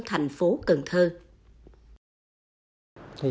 thành phố cần thơ